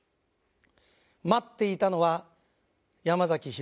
待っていたのは山崎弘也。